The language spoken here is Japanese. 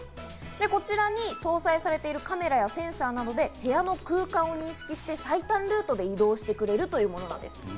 こちらに搭載されているカメラやセンサーなどで部屋の空間を認識して、最短ルートで移動してくれるというものなんです。